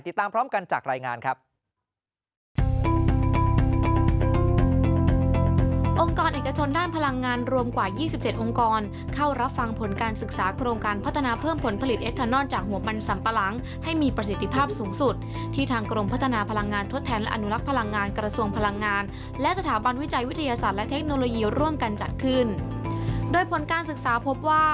ติดตามพร้อมกันจากรายงานครับ